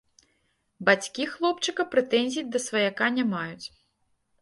Бацькі хлопчыка прэтэнзій да сваяка не маюць.